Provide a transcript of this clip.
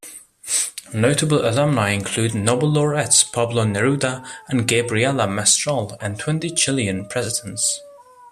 Notable alumni include Nobel laureates Pablo Neruda and Gabriela Mistral, and twenty Chilean presidents.